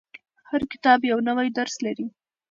• هر کتاب یو نوی درس لري.